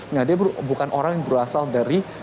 nah dia bukan orang yang berasal dari